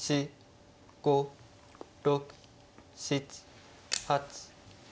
５６７８。